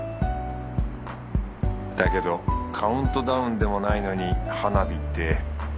だけどカウントダウンでもないのに花火って。